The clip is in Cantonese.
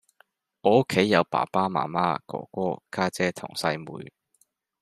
我屋企有爸爸媽媽，哥哥，家姐同細妹